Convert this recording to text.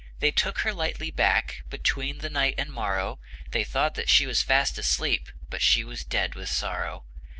They took her lightly back, Between the night and morrow, They thought that she was fast asleep, But she was dead with sorrow.